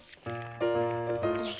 よし。